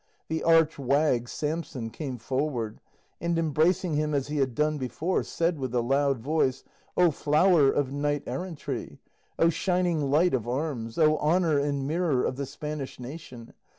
The arch wag Samson came forward, and embracing him as he had done before, said with a loud voice, "O flower of knight errantry! O shining light of arms! O honour and mirror of the Spanish nation!